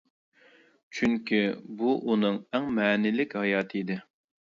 چۈنكى بۇ ئۇنىڭ ئەڭ مەنىلىك ھاياتى ئىدى.